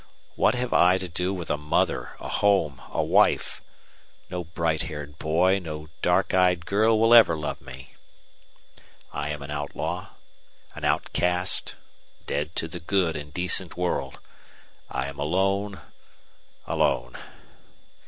What have I to do with a mother, a home, a wife? No bright haired boy, no dark eyed girl will ever love me. I am an outlaw, an outcast, dead to the good and decent world. I am alone alone.